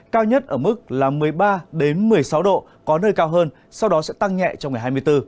cao nhất ở mức một mươi ba một mươi sáu độ có nơi cao hơn sau đó sẽ tăng nhẹ trong ngày hai mươi bốn